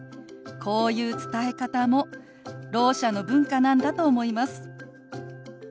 こういう伝え方もろう者の文化なんだと思います。